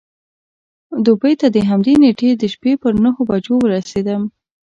دوبۍ ته د همدې نېټې د شپې پر نهو بجو ورسېدم.